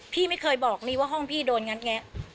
พี่ไม่เคยบอกว่าห้องพี่โดนอย่างนั้นไง